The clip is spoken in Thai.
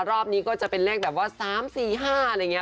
รอบนี้ก็จะเป็นเลขแบบว่า๓๔๕อะไรอย่างนี้